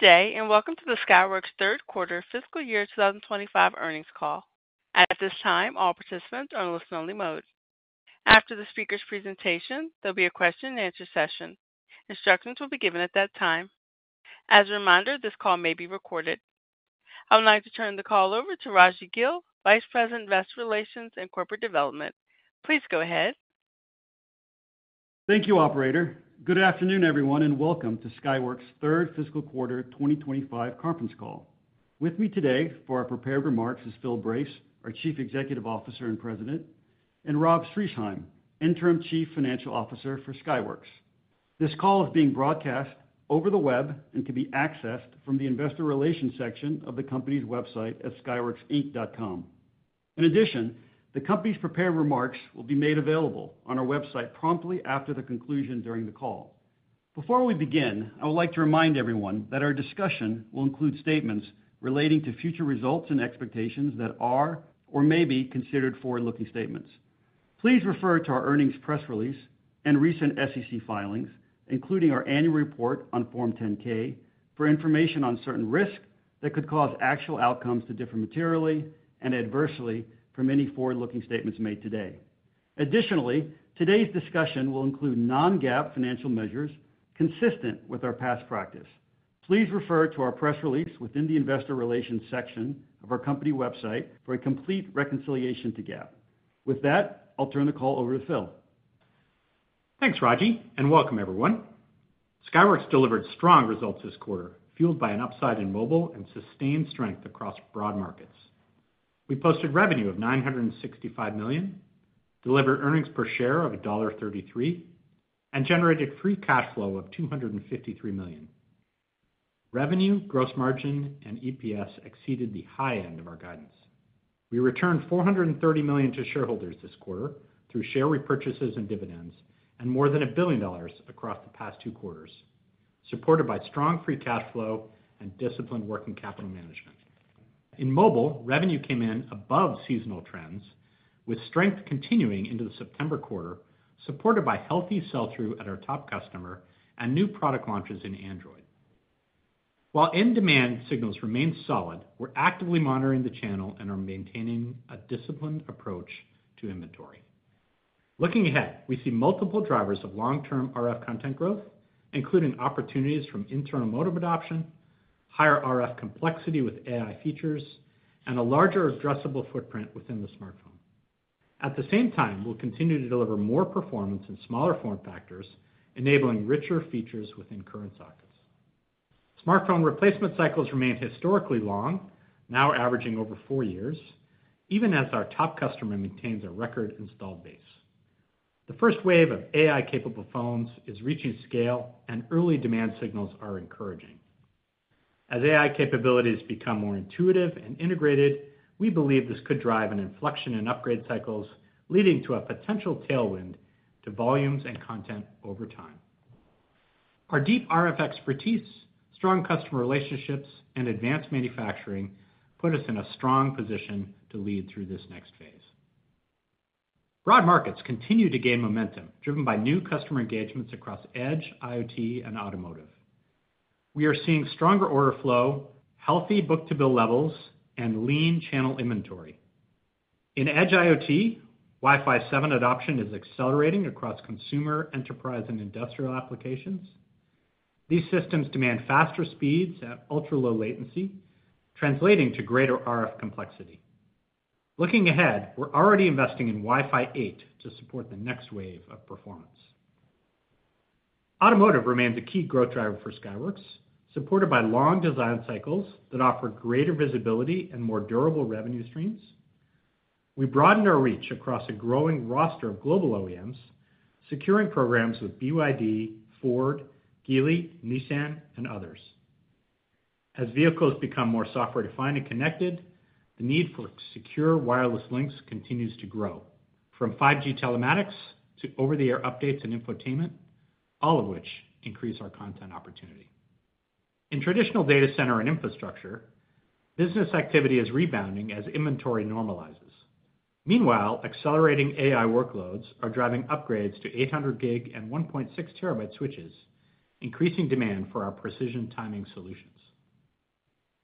Good day and welcome to the Skyworks Solutions third quarter fiscal year 2025 earnings call. At this time, all participants are in listen-only mode. After the speaker's presentation, there will be a question and answer session. Instructions will be given at that time. As a reminder, this call may be recorded. I would like to turn the call over to Raji Gill, Vice President, Investor Relations and Corporate Development. Please go ahead. Thank you, operator. Good afternoon, everyone, and welcome to Skyworks' third fiscal quarter 2025 conference call. With me today for our prepared remarks is Phil Brace, our Chief Executive Officer and President, and Robert Schriesheim, Interim Chief Financial Officer for Skyworks Solutions. This call is being broadcast over the web and can be accessed from the Investor Relations section of the company's website at skyworksinc.com. In addition, the company's prepared remarks will be made available on our website promptly after the conclusion during the call. Before we begin, I would like to remind everyone that our discussion will include statements relating to future results and expectations that are or may be considered forward-looking statements. Please refer to our earnings press release and recent SEC filings, including our annual report on Form 10-K, for information on certain risks that could cause actual outcomes to differ materially and adversely from any forward-looking statements made today. Additionally, today's discussion will include non-GAAP financial measures consistent with our past practice. Please refer to our press release within the Investor Relations section of our company website for a complete reconciliation to GAAP. With that, I'll turn the call over to Phil. Thanks, Raji, and welcome, everyone. Skyworks Solutions delivered strong results this quarter fueled by an upside in mobile and sustained strength across Broad Markets. We posted revenue of $965 million, delivered earnings per share of $1.33, and generated free cash flow of $253 million. Revenue, gross margin, and EPS exceeded the high end of our guidance. We returned $430 million to shareholders this quarter through share repurchases and dividends and more than $1 billion across the past two quarters, supported by strong free cash flow and disciplined working capital management. In mobile, revenue came in above seasonal trends with strength continuing into the September quarter, supported by healthy sell-through at our top customer and new product launches in Android. While in demand, signals remain solid. We're actively monitoring the channel and are maintaining a disciplined approach to inventory. Looking ahead, we see multiple drivers of long-term RF content growth, including opportunities from internal modem adoption, higher RF complexity with AI features, and a larger addressable footprint within the smartphone. At the same time, we'll continue to deliver more performance in smaller form factors, enabling richer features within current sockets. Smartphone replacement cycles remain historically long, now averaging over four years, even as our top customer maintains a record installed base. The first wave of AI-capable smartphones is reaching scale, and early demand signals are encouraging as AI capabilities become more intuitive and integrated. We believe this could drive an inflection in upgrade cycles, leading to a potential tailwind to volumes and content over time. Our deep RF expertise, strong customer relationships, and advanced manufacturing put us in a strong position to lead through this next phase. Broad Markets continue to gain momentum, driven by new customer engagements across edge IoT and automotive. We are seeing stronger order flow, healthy book-to-bill levels, and lean channel inventory in edge IoT. Wi-Fi 7 adoption is accelerating across consumer, enterprise, and industrial applications. These systems demand faster speeds at ultra-low latency, translating to greater RF complexity. Looking ahead, we're already investing in Wi-Fi 8 to support the next wave of performance. Automotive remains a key growth driver for Skyworks Solutions, supported by long design cycles that offer greater visibility and more durable revenue streams. We broadened our reach across a growing roster of global OEMs, securing programs with BYD, Ford, Geely, Nissan, and others. As vehicles become more software-defined and connected, the need for secure wireless links continues to grow from 5G telematics to over-the-air updates and infotainment, all of which increase our content opportunity. In traditional data center and infrastructure, business activity is rebounding as inventory normalizes. Meanwhile, accelerating AI workloads are driving upgrades to 800 gig and 1.6 TB switches, increasing demand for our precision timing solutions.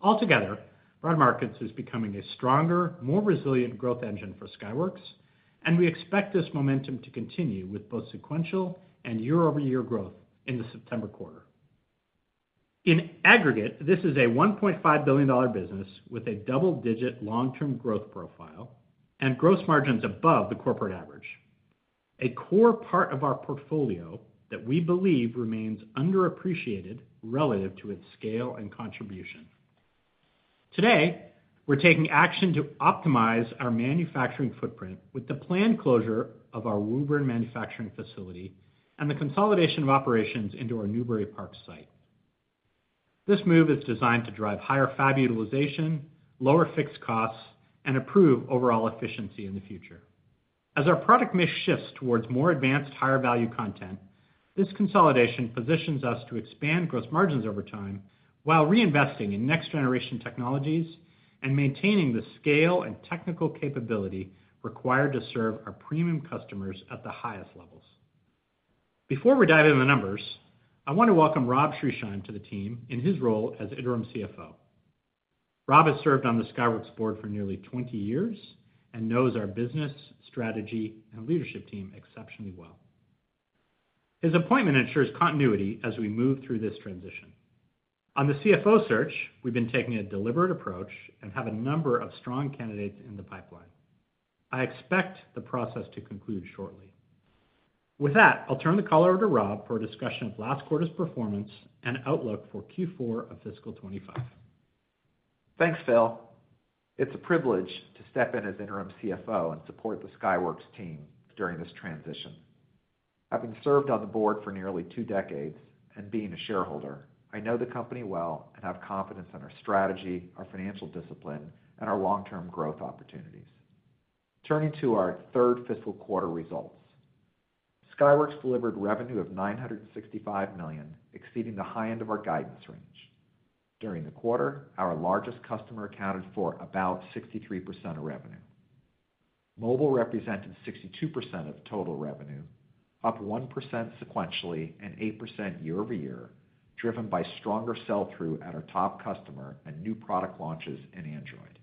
Altogether, Broad Markets is becoming a stronger, more resilient growth engine for Skyworks, and we expect this momentum to continue with both sequential and year-over-year growth in the September quarter. In aggregate, this is a $1.5 billion business with a double-digit long-term growth profile and gross margins above the corporate average, a core part of our portfolio that we believe remains underappreciated relative to its scale and contribution. Today we're taking action to optimize our manufacturing footprint with the planned closure of our Woburn manufacturing facility and the consolidation of operations into our Newbury Park site. This move is designed to drive higher fab utilization, lower fixed costs, and improve overall efficiency in the future. As our product mix shifts towards more advanced, higher value content, this consolidation positions us to expand gross margins over time while reinvesting in next generation technologies and maintaining the scale and technical capability required to serve our premium customers at the highest levels. Before we dive into the numbers, I want to welcome Rob Schriesheim to the team in his role as Interim CFO. Rob has served on the Skyworks' board for nearly 20 years and knows our business strategy and leadership team exceptionally well. His appointment ensures continuity as we move through this transition. On the CFO search, we've been taking a deliberate approach and have a number of strong candidates in the pipeline. I expect the process to conclude shortly. With that, I'll turn the call over to Robert for a discussion of last quarter's performance and outlook for Q4 of fiscal 2025. Thanks, Phil. It's a privilege to step in as Interim CFO and support the Skyworks' team during this transition. Having served on the Board for nearly two decades and being a shareholder, I know the company well and have confidence in our strategy, our financial discipline, and our long-term growth opportunities. Turning to our third fiscal quarter results, Skyworks delivered revenue of $965 million, exceeding the high end of our guidance range. During the quarter, our largest customer accounted for about 63% of revenue. Mobile represented 62% of total revenue, up 1% sequentially and 8% year-over-year, driven by stronger sell-through at our top customer and new product launches in Android.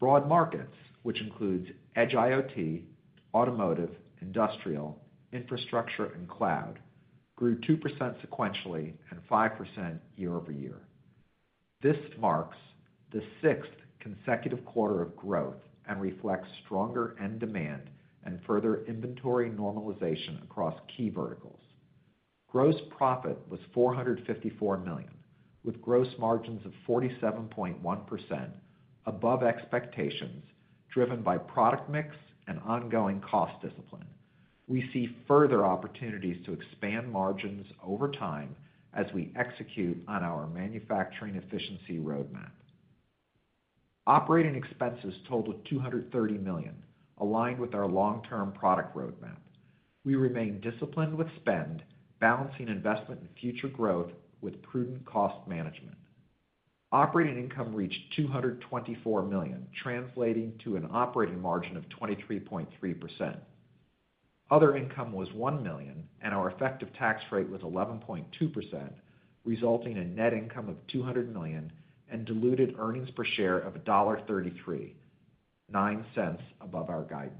Broad Markets, which includes edge IoT, automotive, industrial, infrastructure, and cloud, grew 2% sequentially and 5% year-over-year. This marks the sixth consecutive quarter of growth and reflects stronger end demand and further inventory normalization across key verticals. Gross profit was $454 million with gross margin of 47.1%, above expectations, driven by product mix and ongoing cost discipline. We see further opportunities to expand margins over time as we execute on our manufacturing efficiency roadmap. Operating expenses totaled $230 million, aligned with our long-term product roadmap. We remain disciplined with spend, balancing investment in future growth with prudent cost management. Operating income reached $224 million, translating to an operating margin of 23.3%. Other income was $1 million and our effective tax rate was 11.2%, resulting in net income of $200 million and diluted EPS of $1.33, $0.09 above our guidance.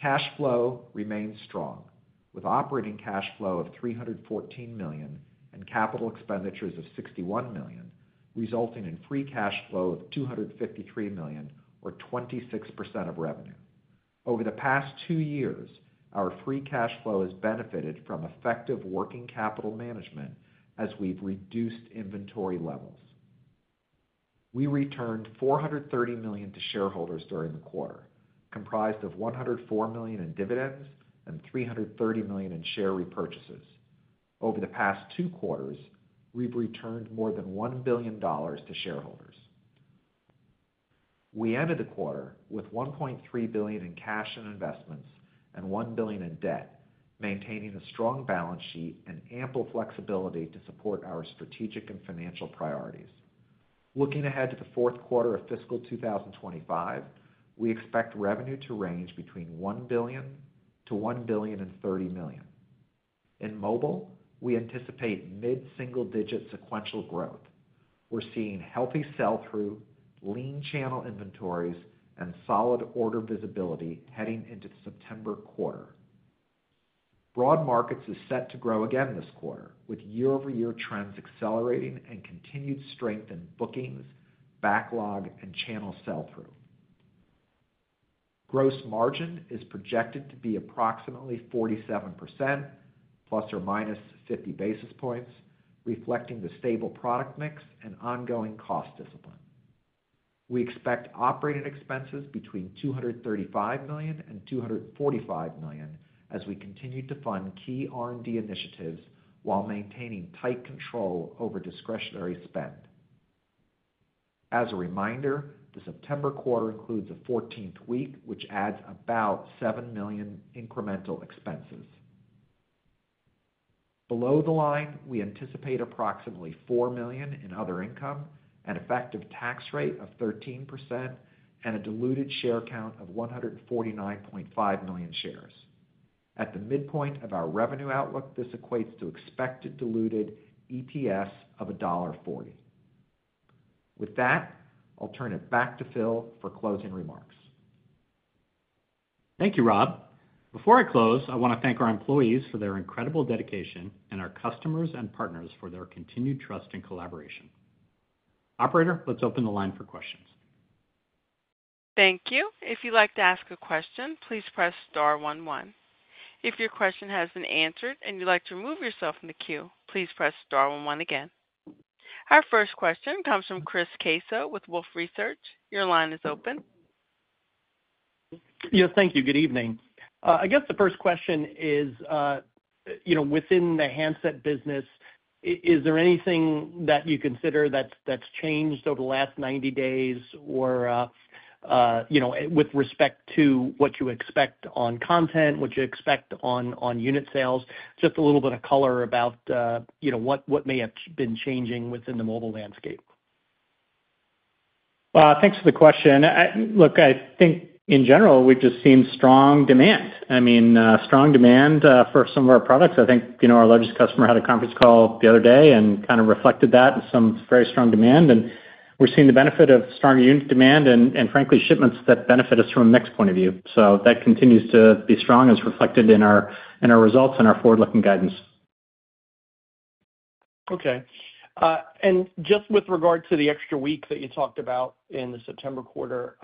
Cash flow remains strong with operating cash flow of $314 million and capital expenditures of $61 million, resulting in free cash flow of $253 million or 26% of revenue. Over the past two years, our free cash flow has benefited from effective working capital management as we've reduced inventory levels. We returned $430 million to shareholders during the quarter, comprised of $104 million in dividends and $330 million in share repurchases. Over the past two quarters, we've returned more than $1 billion to shareholders. We ended the quarter with $1.3 billion in cash and investments and $1 billion in debt, maintaining a strong balance sheet and ample flexibility to support our strategic and financial priorities. Looking ahead to the fourth quarter of fiscal 2025, we expect revenue to range between $1 billion-$1.03 billion In mobile, we anticipate mid-single-digit sequential growth. We're seeing healthy sell through, lean channel inventories, and solid order visibility heading into the September quarter. Broad Markets is set to grow again this quarter with year-over-year trends accelerating and continued strength in bookings, backlog, and channel sell through. Gross margin is projected to be approximately 47%, ±50 basis points, reflecting the stable product mix and ongoing cost discipline. We expect operating expenses between $235 million and $245 million as we continue to fund key R&D initiatives while maintaining tight control over discretionary spend. As a reminder, the September quarter includes a 14th week, which adds about $7 million incremental expenses. Below the line, we anticipate approximately $4 million in other income, an effective tax rate of 13% and a diluted share count of 149.5 million shares. At the midpoint of our revenue outlook, this equates to expected diluted EPS of $1.40. With that, I'll turn it back to Phil for closing remarks. Thank you, Rob. Before I close, I want to thank our employees for their incredible dedication and our customers and partners for their continued trust and collaboration. Operator, let's open the line for questions. Thank you. If you'd like to ask a question, please press Star one one. If your question has been answered and you'd like to remove yourself from the queue, please press Star one one. Again, our first question comes from Chris Caso with Wolfe Research. Your line is open. Yes, thank you. Good evening. I guess the first question is, you know, within the handset business, is there anything that you consider that's changed over the last 90 days or, you know, with respect to what you expect on content, what you expect on unit sales, just a little bit of color about, you know, what may have been changing within the mobile landscape? Thanks for the question. I think in general we've just seen strong demand, I mean, strong demand for some of our products. I think, you know, our largest customer had a conference call the other day and kind of reflected that, some very strong demand. We're seeing the benefit of strong unit demand and, frankly, shipments that benefit us from a mix point of view. That continues to be strong as reflected in our results and our forward-looking guidance. Okay. Just with regard to the extra week that you talked about in the September quarter,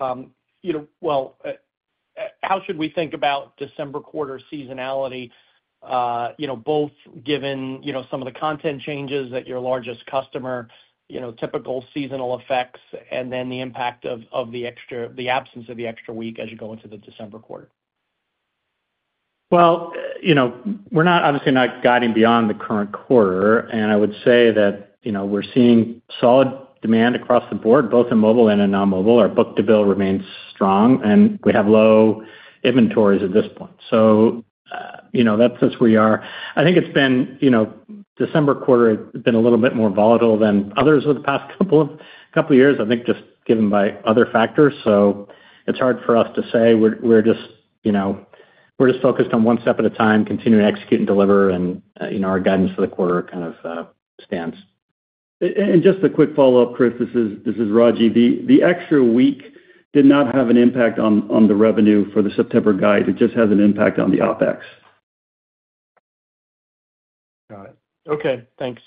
you know, how should we think about December quarter seasonality? You know, both given, you know, some of the content changes that your largest customer, you know, typical seasonal effects and then the impact of the extra, the absence of the extra week as you go into the December quarter? You know, we're obviously not guiding beyond the current quarter and I would say that, you know, we're seeing solid demand across the board both in mobile and in non-mobile. Our book to bill remains strong and we have low inventories at this point. That's where we are. I think it's been, you know, December quarter, it's been a little bit more volatile than others of the past couple of years. I think just given by other factors. It's hard for us to say. We're just focused on one step at a time, continuing to execute and deliver. You know, our guidance for the quarter kind of stands. Just a quick follow up. Chris, this is Raji. The extra week did not have an impact on the revenue for the September guide. It just has an impact on the OpEx. Got it. Okay, thanks.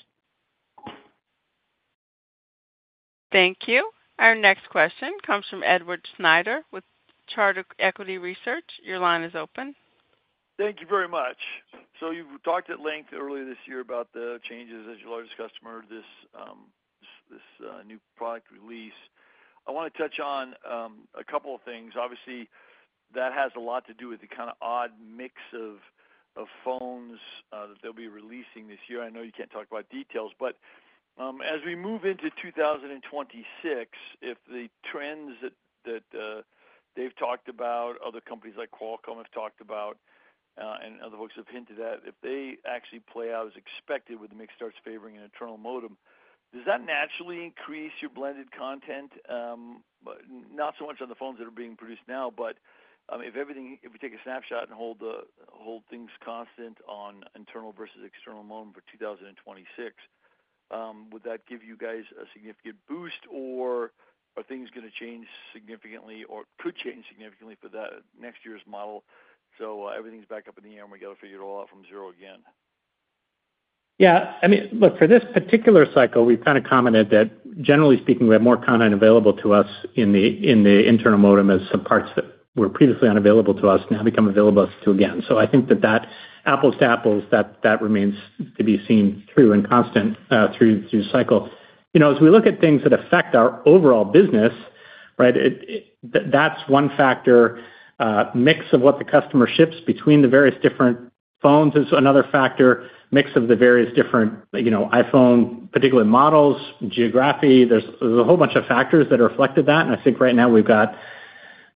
Thank you. Our next question comes from Edward Schneider with Charter Equity Research. Your line is open. Thank you very much. You talked at length earlier this year about the changes. As your largest customer, this new product release, I want to touch on a couple of things. Obviously, that has a lot to do with the kind of odd mix of phones that they'll be releasing this year. I know you can't talk about details, but as we move into 2026, if the trends that they've talked about, other companies like Qualcomm have talked about, and other folks have hinted at, if they actually play out as expected with the mix starts favoring an internal modem, does that naturally increase your blended content? Not so much on the phones that are being produced now, but if everything, if we take a snapshot and hold things constant on internal versus external modem for 2026, would that give you guys a significant boost or are things going to change significantly or could change significantly for that next year's model? Everything's back up in the air and we got to figure it all out from zero again. Yeah, I mean look, for this particular cycle we've kind of commented that, generally speaking, we have more content available to us in the internal modem as some parts that were previously unavailable to us now become available to us again. I think that apples to apples, that remains to be seen, true and constant through cycle. As we look at things that affect our overall business, that's one factor. Mix of what the customer ships between the various different phones is another factor. Mix of the various different iPhone particular models, geography, there's a whole bunch of factors that are reflected in that. I think right now we've got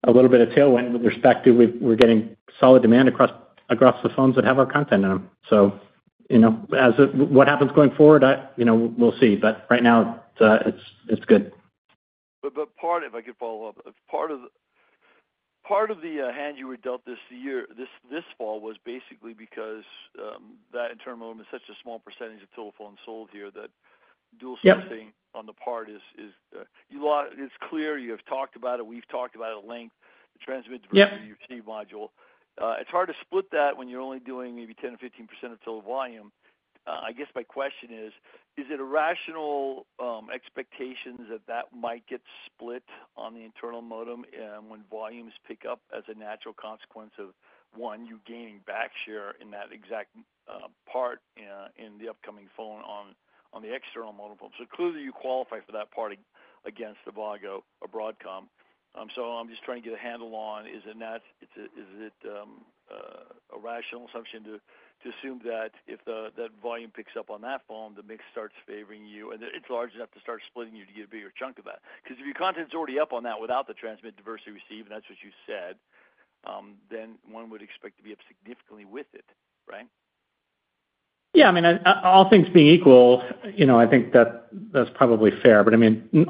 a little bit of tailwind with respect to we're getting solid demand across the phones that have our content in them. So What happens going forward? We'll see, but right now it's good. If I could follow up, part of the hand you were dealt this year, this fall was basically because that internal is such a small percentage of telephone sold here, that dual sourcing on the part is. It's clear you have talked about it, we've talked about at length the transmits module. It's hard to split that when you're only doing maybe 10% or 15% of total volume. I guess my question is, is it a rational expectation that that might get split on the internal modem when volumes pick up as a natural consequence of you gaining batch share in that exact part in the upcoming phone on the external modem. Clearly you qualify for that part against Avago or Broadcom. I'm just trying to get a handle on, is it a rational assumption to assume that if that volume picks up on that volume, the mix starts favoring you and it's large enough to start splitting you to get a bigger chunk of that? If your content's already up on that without the transmit diversity received, and that's what you said, then one would expect to be up significantly with it, right? Yeah, I mean, all things being equal, I think that that's probably fair.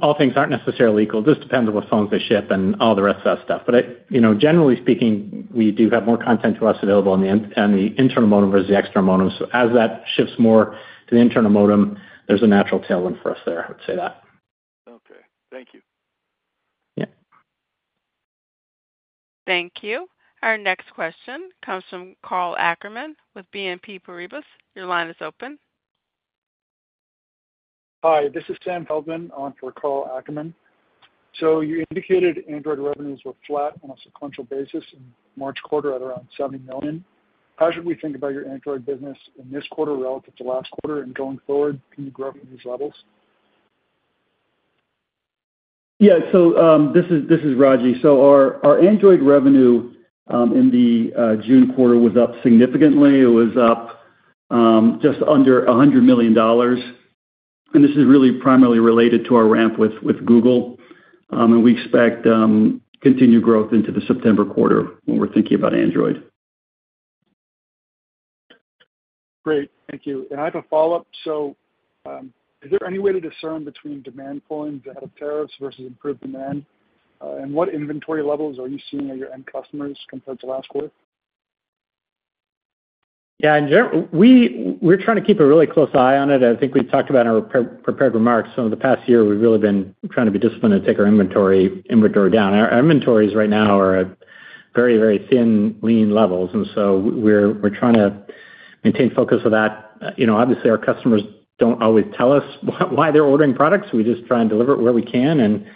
All things aren't necessarily equal. This depends on what phones they ship and all the rest of that stuff. Generally speaking, we do have more content to us available on the end on the internal modem versus the external modem. As that shifts more to the internal modem, there's a natural tailwind for us there. I would say that. Okay, thank you. Thank you. Our next question comes from Karl Ackerman with BNP Paribas. Your line is open. Hi, this is Sam Feldman on for Karl Ackerman. You indicated Android revenues were flat on a sequential basis in the March quarter at around $70 million. How should we think about your Android business in this quarter relative to last quarter and going forward? Can you grow these levels? Yeah. This is Raji. Our Android revenue in the June quarter was up significantly. It was up just under $100 million. This is really primarily related to our ramp with Google. We expect continued growth into the September quarter when we're thinking about Android. Great, thank you. I have a follow up. Is there any way to discern between demand coming from coins that have tariffs versus improved demand, and what inventory levels are you seeing at your end customers compared to last quarter? We're trying to keep a really close eye on it. I think we talked about it in our prepared remarks. Over the past year, we've really been trying to be disciplined, to take our inventory down. Our inventories right now are at very, very thin, lean levels. We're trying to maintain focus on that. Obviously, our customers don't always tell us why they're ordering products. We just try and deliver it where we can.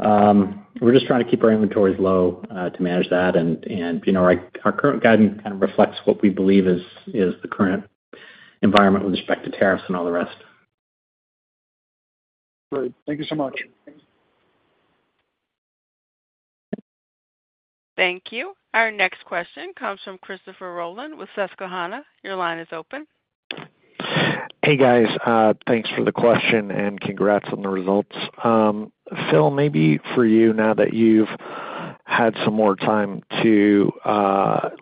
We're just trying to keep our inventories low to manage that. Our current guidance kind of reflects what we believe is the current environment with respect to tariffs and all the rest. Great, thank you so much. Thank you. Our next question comes from Christopher Rolland with Susquehanna. Your line is open. Hey, guys, thanks for the question and congrats on the results. Phil, maybe for you, now that you've had some more time to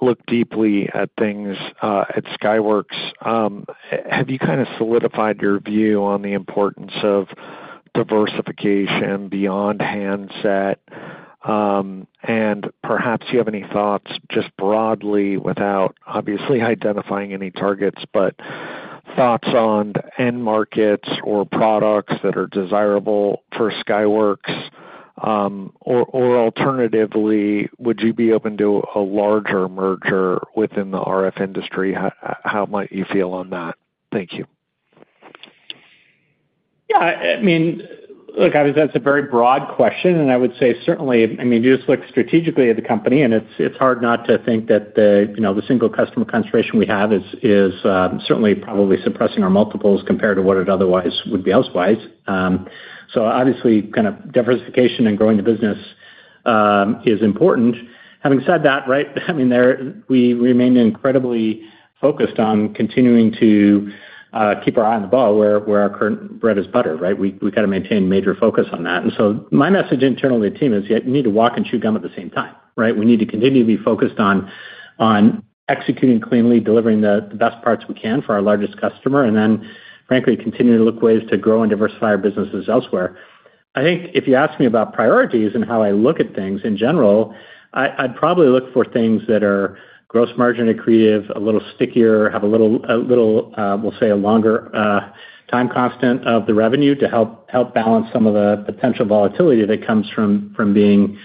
look deeply at things at Skyworks, have you kind of solidified your view on the importance of diversification beyond handset? Perhaps you have any thoughts just broadly, without obviously identifying any targets, but thoughts on end markets or products that are desirable for Skyworks or alternatively, would you be open to a larger merger within the RF industry? How might you feel on that? Thank you. Yeah, I mean, look, that's a very broad question and I would say certainly, I mean, you just look strategically at the company and it's hard not to think that the single customer concentration we have is certainly probably suppressing our multiples compared to what it otherwise would be. Obviously, diversification and growing the business is important. Having said that, we remain incredibly focused on continuing to keep our eye on the ball where our current bread is buttered. We got to maintain major focus on that. My message internally to the team is, you need to walk and chew gum at the same time. We need to continue to be focused on executing cleanly, delivering the best parts we can for our largest customer, and then frankly continue to look for ways to grow and diversify our businesses elsewhere. I think if you ask me about priorities and how I look at things in general, I'd probably look for things that are gross margin accretive, a little stickier, have a little, we'll say, a longer time constant of the revenue to help balance some of the potential volatility that comes from being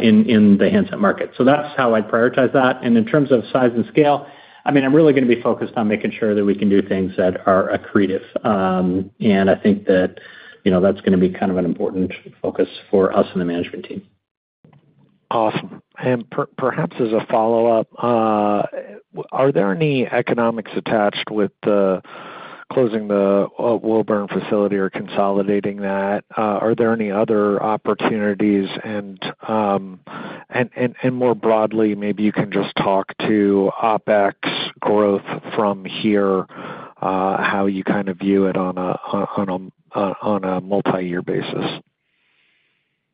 in the handset market. That's how I prioritize that. In terms of size and scale, I mean I'm really going to be focused on making sure that we can do things that are accretive. I think that you know, that's going to be kind of an important focus for us and the management team. Awesome. Perhaps as a follow up, are there any economics attached with closing the Woburn facility or consolidating that? Are there any other opportunities? More broadly, maybe you can just talk to OpEx growth from here, how you kind of view it on a, on a multi-year basis.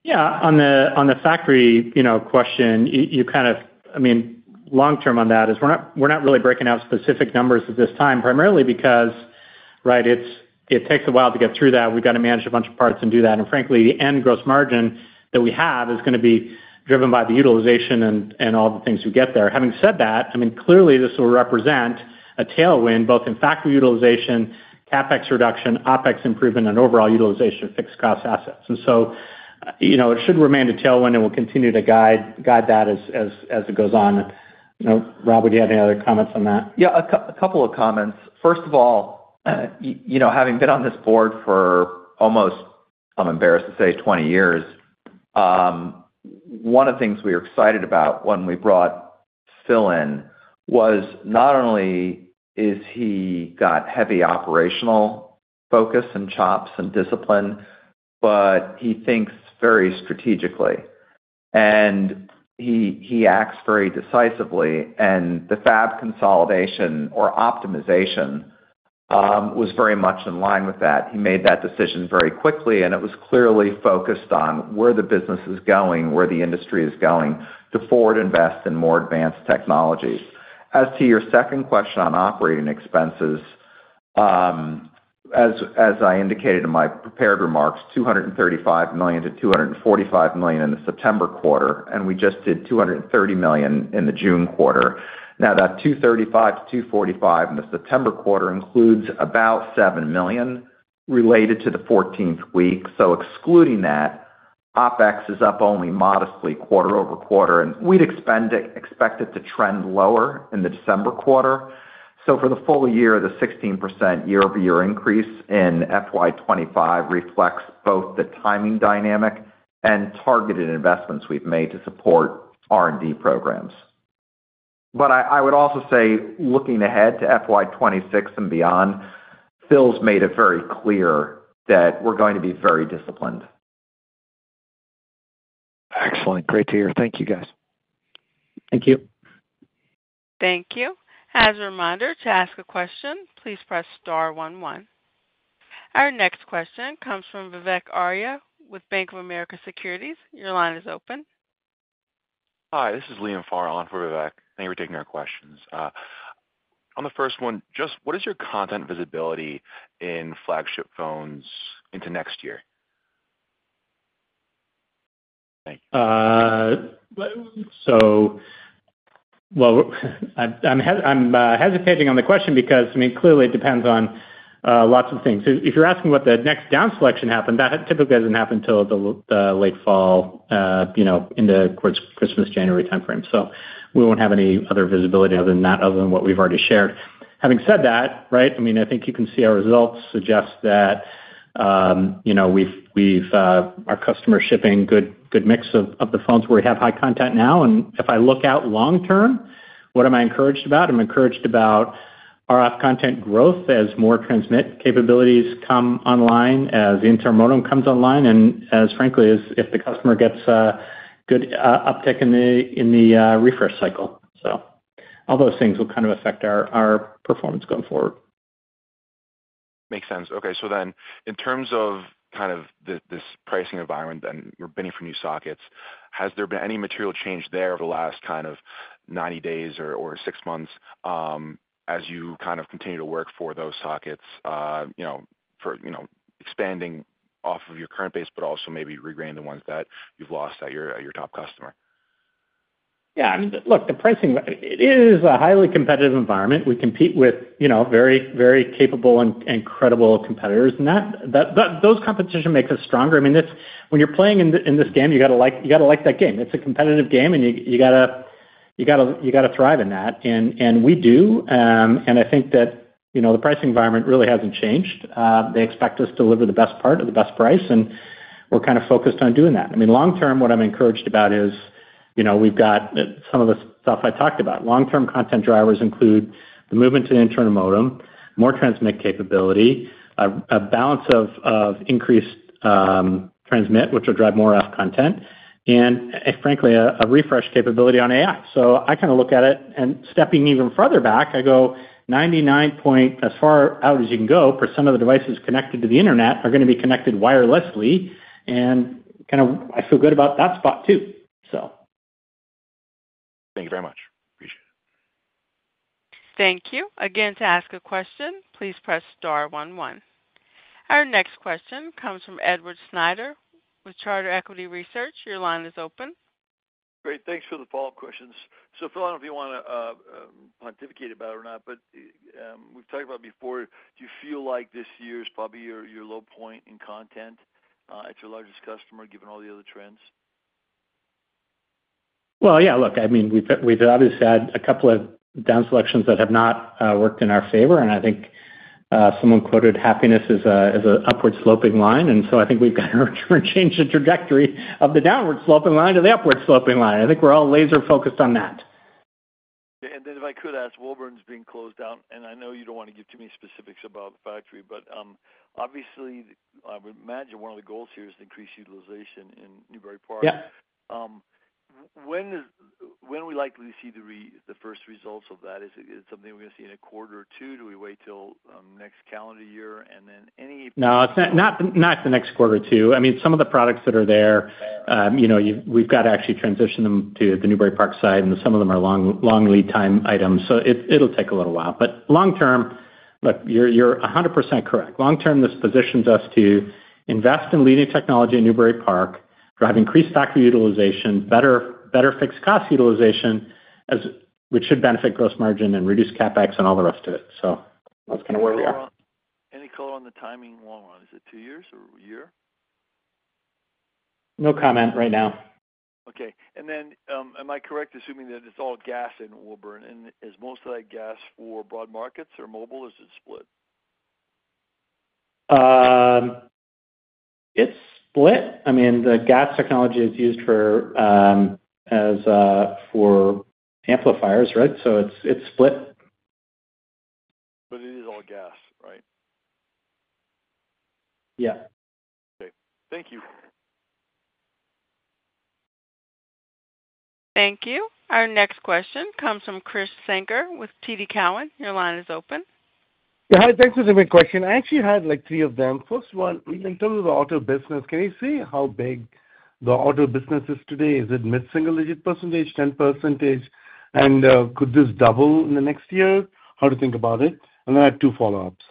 Yeah, on the factory question, long term on that is we're not really breaking out specific numbers at this time primarily because it takes a while to get through that. We've got to manage a bunch of parts and do that. Frankly, the end gross margin that we have is going to be driven by the utilization and all the things you get there. Having said that, clearly this will represent a tailwind both in fab utilization, CapEx reduction, OpEx improvement, and overall utilization of fixed cost assets. It should remain a tailwind and we'll continue to guide that as it goes on. Rob, would you have any other comments on that? Yeah, a couple of comments. First of all, you know, having been on this board for almost, I'm embarrassed to say, 20 years, one of the things we were excited about when we brought Phil in was not only has he got heavy operational focus and chops and discipline, but he thinks very strategically and he acts very decisively. The fab consolidation or optimization was very much in line with that. He made that decision very quickly, and it was clearly focused on where the business is going, where the industry is going to forward, invest in more advanced technologies. As to your second question on operating expenses, as I indicated in my prepared remarks, $235 million-$245 million in the September quarter, and we just did $230 million in the June quarter. Now, that $235 million-$245 million in the September quarter includes about $7 million related to the 14th week. Excluding that, OpEx is up only modestly quarter over quarter, and we'd expect it to trend lower. For the full year, the 16% year-over-year increase in FY 2025 reflects both the timing dynamic and targeted investments we've made to support R&D programs. I would also say looking ahead to FY 2026 and beyond, Phil's made it very clear that we're going to be very disciplined. Excellent. Great to hear. Thank you, guys. Thank you. Thank you. As a reminder to ask a question, please press Star one one. Our next question comes from Vivek Arya with Bank of America Securities. Your line is open. Hi, this is Liam Farrell on for Vivek. Thank you for taking our questions. On the first one, just what is your content visibility in flagship phones into next year? Thanks. I'm hesitating on the question because, I mean, clearly it depends on lots of things. If you're asking what the next down selection happened, that typically doesn't happen until the late fall, into Christmas, January timeframe. We won't have any other visibility other than that, other than what we've already shared. Having said that, I think you can see our results suggest that we've our customer shipping good mix of the phones where we have high content now. If I look out long term, what am I encouraged about? I'm encouraged about RF content growth as more transmit capabilities come online, as inter modem comes online, and as, frankly, as if the customer gets good uptick in the refresh cycle. All those things will kind of affect our performance going forward. Makes sense. Okay, in terms of kind of this pricing environment and we're bidding for new sockets, has there been any material change there over the last 90 days or six months as you continue to work for those sockets for expanding off of your current base, but also maybe regaining the ones that you've lost at your top customer? Yeah, look, the pricing, it is a highly competitive environment. We compete with very, very capable and credible competitors, and that competition makes us stronger. I mean, when you're playing in this game, you got to like that game. It's a competitive game, and you got to thrive in that. We do. I think that the pricing environment really hasn't changed. They expect us to deliver the best part at the best price, and we're kind of focused on doing that. I mean, long-term, what I'm encouraged about is we've got some of the stuff I talked about. Long-term content drivers include the movement to internal modem, more transmit capability, a balance of increased transmit which will drive more app content, and frankly a refresh capability on AI. I kind of look at it, and stepping even further back, I go 99% as far out as you can go. Percent of the devices connected to the Internet are going to be connected wirelessly, and I feel good about that spot too. Thank you very much. Appreciate it. Thank you again. To ask a question, please press Star one one. Our next question comes from Edward Snyder with Charter Equity Research. Your line is open. Great, thanks for the follow-up questions. Phil, I don't know if you want to pontificate about it or not, but we've talked about it before. Do you feel like this year is probably your low point in content at your largest customer given all the other trends? I mean we've obviously had a couple of down selections that have not worked in our favor. I think someone quoted happiness as an upward sloping line, and I think we've got to change the trajectory of the downward sloping line to the upward sloping line. I think we're all laser focused on that. Wallbourne is being closed out and I know you don't want to give too many specifics about factory, but obviously I would imagine one of the goals here is to increase utilization in Newbury Park, when will we likely see the first results of that? Is it something we're going to see in a quarter or two? Do we wait till next calendar year and then any? No, it's not the next quarter too. I mean some of the products that are there, you know, we've got to actually transition them to the Newbury Park site and some of them are long lead time items. It will take a little while, but long-term, look, you're 100% correct. Long-term, this positions us to invest in leading technology in Newbury Park. Increased factory utilization, better fixed cost utilization, which should benefit gross margin and reduce CapEx and all the rest of it. That's kind of where we are. Any color on the timing. Wallbourne, is it two years or a year? No comment right now. Okay, and then am I correct? Assuming that it's all gas in Wallbourne, and is most of that gas for Broad Markets or mobile, is it split? It's split. I mean the GaAs technology is used for, as for amplifiers, right? It's split. But it is all GaAs, Right? Yeah. Thank you. Thank you. Our next question comes from Krish Sanker with TD Cowen. Your line is open. Thanks for taking a question. I actually had like three of them. First one, in terms of the auto business, can you say how big the auto business is today? Is it mid single-digit percentage, 10% and could this double in the next year? How to think about it. I had two follow ups.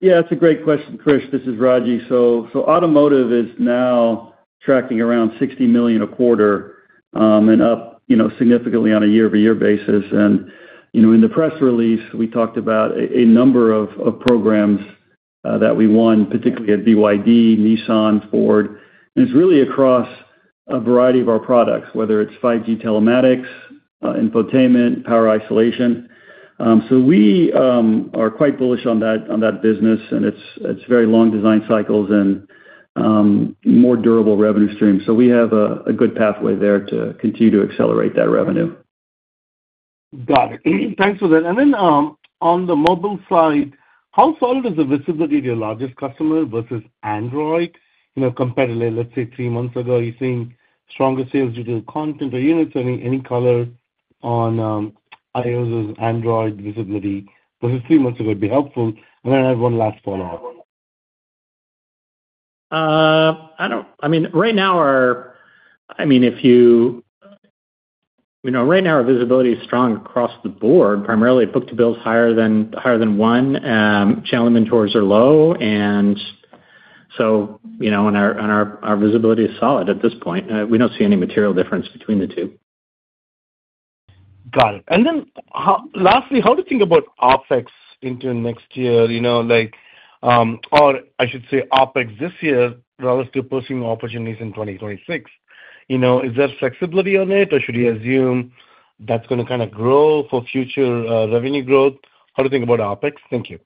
Yeah, that's a great question. Krish, this is Raji. Automotive is now tracking around $60 million a quarter and up, you know, significantly on a year-over-year basis. In the press release we talked about a number of programs that we won, particularly at BYD, Nissan, Ford. It's really across a variety of our products, whether it's 5G telematics, infotainment, power isolation. We are quite bullish on that business and it's very long design cycles and more durable revenue streams. We have a good pathway there to continue to accelerate that revenue. Got it. Thanks for that. On the mobile side, how solid is the visibility of your largest customer versus Android? Compared to, let's say, three months ago, are you seeing stronger sales due to content or units, any color on iOS? Android visibility versus three months ago? It'd be helpful. I have one last fallout. I don't, I mean right now, our, I mean if you, right now our visibility is strong across the board, primarily book to bills higher than one, channel inventories are low and our visibility is solid. At this point we don't see any material difference between the two. Got it. Lastly, how to think about OpEx into next year, or I should say OpEx this year relative to pushing opportunities in 2026. Is there flexibility on it or should you assume that's going to kind of grow for future revenue growth? How do you think about OpEx? Thank you.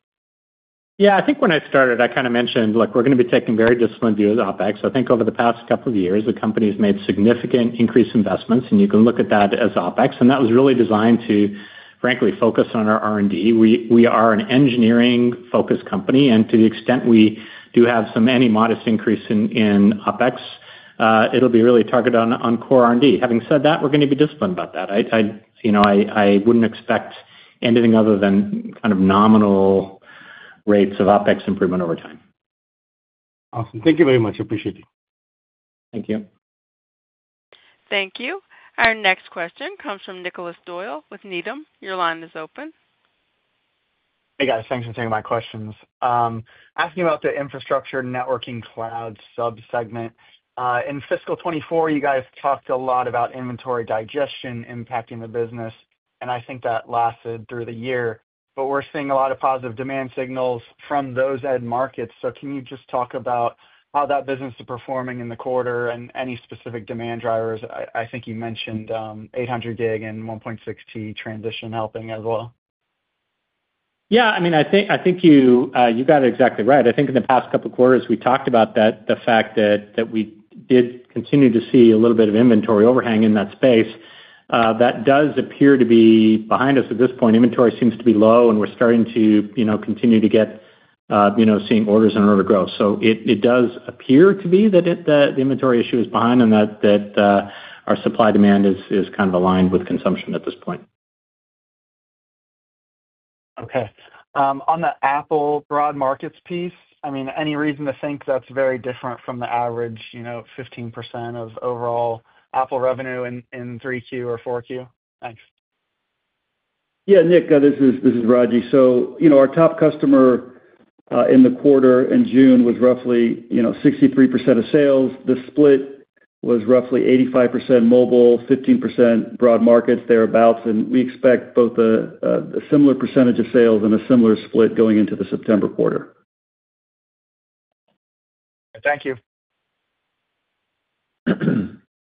Yeah, I think when I started I kind of mentioned look, we're going to be taking very disciplined views on OpEx. I think over the past couple of years the company has made significant increase investments and you can look at that as OpEx and that was really designed to frankly focus on our R&D. We are an engineering-focused company and to the extent we do have some, any modest increase in OpEx, it'll be really targeted on core R&D. Having said that, we're going to be disciplined about that. I wouldn't expect anything other than kind of nominal rates of OpEx improvement over time. Awesome. Thank you very much. Appreciate it. Thank you. Thank you. Our next question comes from Nick Doyle with Needham. Your line is open. Hey, guys, thanks for taking my questions. Asking about the infrastructure, networking, cloud subsegment in fiscal 2024, you guys talked a lot about inventory digestion impacting the business. I think that lasted through the year. We're seeing a lot of positive demand signals from those end markets. Can you just talk about how that business is performing in the quarter and any specific demand drivers? I think you mentioned 800 gig and 1.6 TB transition helping as well. I mean, I think you got it exactly right. In the past couple of quarters we talked about that. The fact that we did continue to see a little bit of inventory overhang in that space, that does appear to be behind us at this point. Inventory seems to be low and we're starting to continue to get seeing orders in order to grow. It does appear to be that the inventory issue is behind and that our supply demand is kind of aligned with consumption at this point. On the Apple Broad Markets piece, any reason to think that's very different from the average 15% of Apple revenue in 3Q or 4Q? Thanks. Yeah, Nick, this is Raji. Our top customer in the quarter in June was roughly 63% of sales. The split was roughly 85% mobile, 15% Broad Markets thereabouts. We expect both a similar percentage of sales and a similar split going into the September quarter. Thank you.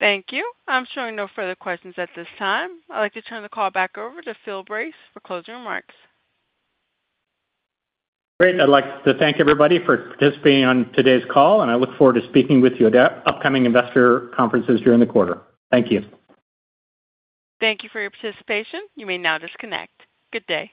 Thank you. I'm showing no further questions at this time. I'd like to turn the call back over to Phil Brace for closing remarks. Great. I'd like to thank everybody for participating on today's call, and I look forward to speaking with you at upcoming investor conferences during the quarter. Thank you. Thank you for your participation. You may now disconnect. Good day.